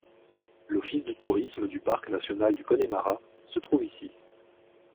L'office du tourisme du Parc national du Connemara se trouve ici.